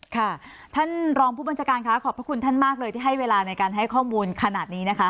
ค่ะท่านรองผู้บัญชาการค่ะขอบพระคุณท่านมากเลยที่ให้เวลาในการให้ข้อมูลขนาดนี้นะคะ